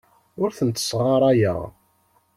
Ur tent-ssɣarayeɣ.